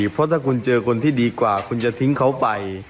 เพราะถ้าคุณเจอคนที่ดีกว่าคุณจะทิ้งเขาไป